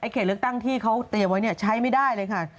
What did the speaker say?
เขตเลือกตั้งที่เขาเตรียมไว้ใช้ไม่ได้เลยค่ะ